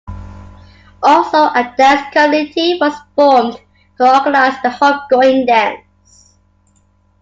Also, a dance committee was formed to organize the Homegoing Dance.